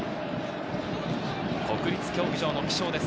国立競技場の気象です。